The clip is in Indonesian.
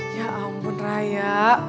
ya ampun raya